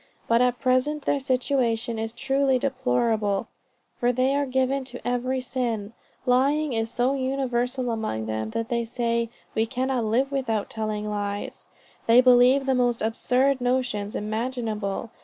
But at present their situation is truly deplorable, for they are given to every sin. Lying is so universal among them that they say, 'we cannot live without telling lies.' They believe the most absurd notions imaginable.